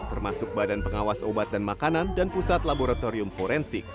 termasuk badan pengawas obat dan makanan dan pusat laboratorium forensik